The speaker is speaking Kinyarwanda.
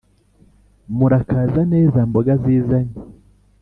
murakaza neza mboga zizanye